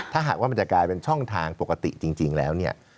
ถ้าหากว่ามันจะกลายเป็นช่องทางปกติจริงแล้วเนี่ย